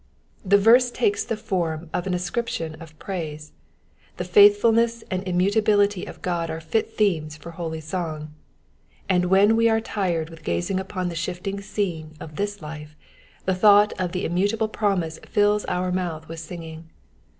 The verse takes the form of an ascription of praise : the faithfulness and immutability of God are fit themes for holy song, and when we are tired with gazing upon the shifting scene of this life, the thought of the im mutable promise fills our mouth with singing.